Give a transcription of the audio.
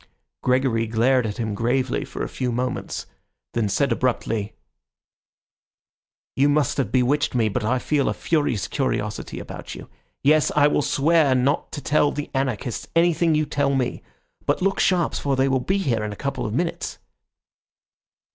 Gregory glared at him gravely for a few moments, and then said abruptly— "You must have bewitched me, but I feel a furious curiosity about you. Yes, I will swear not to tell the anarchists anything you tell me. But look sharp, for they will be here in a couple of minutes."